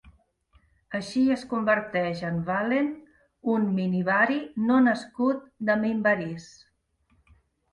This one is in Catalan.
Així es converteix en Valen, un Minbari no nascut de Minbaris.